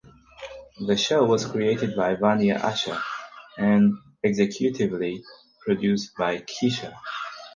The show was created by Vanya Asher and executively produced by Kesha.